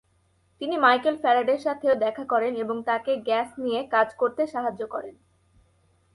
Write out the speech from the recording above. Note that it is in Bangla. তিনি মাইকেল ফ্যারাডের সাথেও দেখা করেন এবং তাকে গ্যাস নিয়ে কাজ করতে সাহায্য করেন।